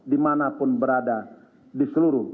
dimanapun berada di seluruh